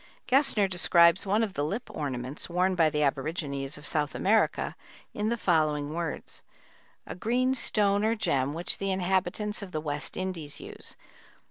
Gesner describes one of the lip ornaments worn by the aborigines of South America in the following words: A green stone or gem which the inhabitants of the West Indies use.